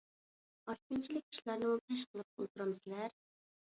ئاشۇنچىلىك ئىشلارنىمۇ پەش قىلىپ ئولتۇرامسىلەر؟